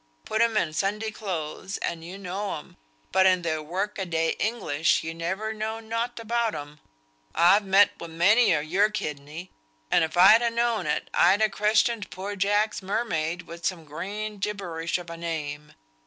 Put 'em in Sunday clothes and you know 'em, but in their work a day English you never know nought about 'em. I've met wi' many o' your kidney; and if I'd ha' known it, I'd ha' christened poor Jack's mermaid wi' some grand gibberish of a name.